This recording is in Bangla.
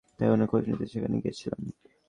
তাই উনার খোঁজ নিতে সেখানে গিয়েছিলাম।